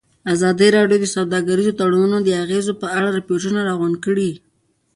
ازادي راډیو د سوداګریز تړونونه د اغېزو په اړه ریپوټونه راغونډ کړي.